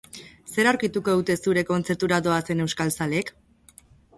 Zer aurkituko dute zure kontzertuetara doazen euskal zaleek?